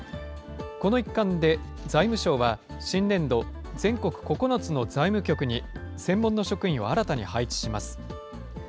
この一環で財務省は、新年度、全国９つの財務局に専門の職員を新たに配置します。